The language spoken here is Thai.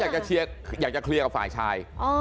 อยากจะเคลียร์กับฝ่ายชาย